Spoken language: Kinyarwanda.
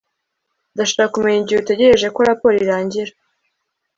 ndashaka kumenya igihe utegereje ko raporo irangira